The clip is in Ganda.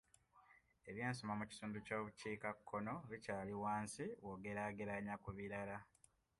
Ebyensoma mu kitundu ky'obukiikakkono bikyali wansi bw'ogeraageranya ku birala.